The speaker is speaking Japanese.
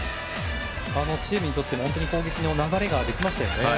チームにとっても本当に攻撃の流れができましたよね。